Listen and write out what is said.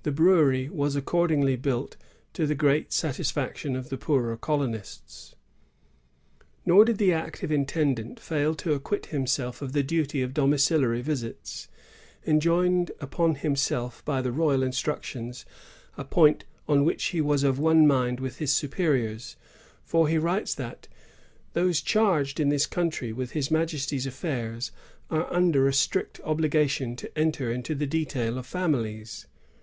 "^ The brewery was accordingly built, to the great satisfaction of the poorer colonists. Nor did the active intendant fail to acquit himself of the duty of domiciliary visita, enjoined upon him by the royal instructions, — a point on which he was of one mind with his superiors, for he writes that "those charged in this country with his Majesty's affairs are under a strict obligation to enter into the detail of families.